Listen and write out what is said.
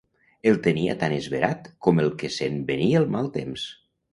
El tenia tant esverat com el que sent venir el mal temps